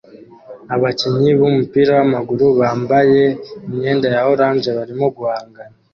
abakinnyi bumupira wamaguru bambaye imyenda ya orange barimo guhangana